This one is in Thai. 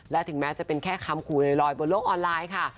และถึงแม้จะเป็นแค่คำขู่ลอยบนโลกออนไลน์ค่ะ